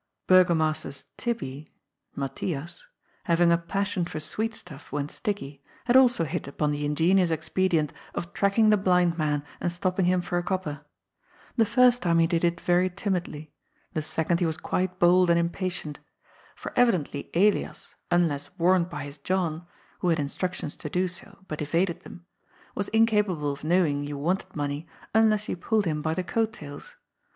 Burgomaster's '^ Tibbie'' (Matthias), having a passion for sweet stuff, when sticky, had also hit upon the in genious expedient of tracking the blind man and stopping him for a copper. The first time he did it very timidly ; the second he was quite bold and impatient. For eyidently Elias, unless warned by his John (who had instructions to do so, but evaded them), was incapable of knowing you wanted money, unless you pulled him by the coat tails.